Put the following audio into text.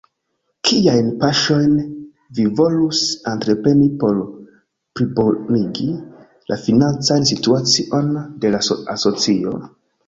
Kiajn paŝojn vi volus entrepreni por plibonigi la financan situacion de la asocio?